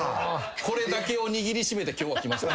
これだけを握り締めて今日は来ました。